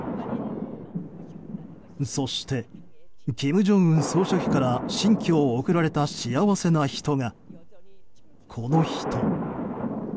そして、金正恩総書記から新居を贈られた幸せな人がこの人。